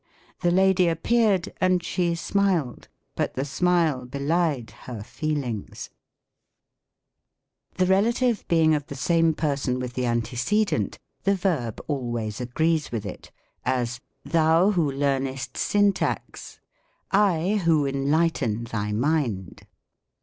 " The lady ap peared, and she smiled, but the smile belied her feel ings." The relative being of the same person with the ante 84 THE COMIC ENGLISH GRAMMAR. cedent, the verb always agrees with it : as, " Thou wJio learnest Syntax." " I who enlighten thy mind."